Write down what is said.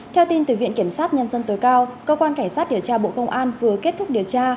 theo tin từ viện kiểm sát nhân dân tối cao cơ quan cảnh sát điều tra bộ công an vừa kết thúc điều tra